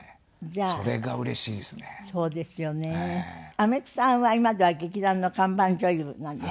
あめくさんは今では劇団の看板女優なんですってね。